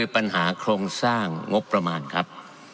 ปัญหาโครงสร้างงบประมาณครับ